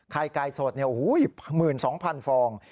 ใครไกลสดเนี่ยอุ้ย๑๒๐๐๐ฟอง